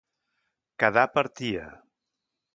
Quedar per tia.